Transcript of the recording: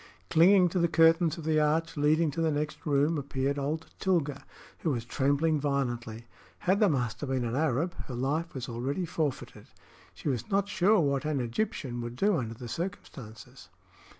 Clinging to the curtains of the arch leading to the next room, appeared old Tilga, who was trembling violently. Had the master been an Arab, her life was already forfeited. She was not sure what an Egyptian would do under the circumstances.